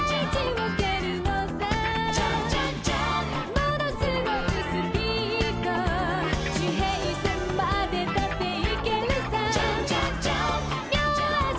ものすごいスピード」「地平線までだっていけるさ風のように」